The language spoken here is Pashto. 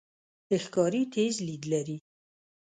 ښکاري تیز لید لري.